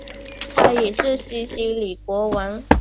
他也是西西里国王。